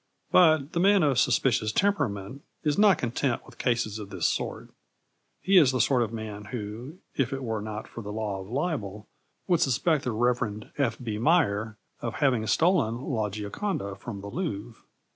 But the man of suspicious temperament is not content with cases of this sort. He is the sort of man who, if it were not for the law of libel, would suspect the Rev. F. B. Meyer of having stolen La Gioconda from the Louvre.